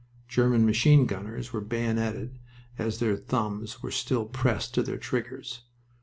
German machine gunners were bayoneted as their thumbs were still pressed to their triggers.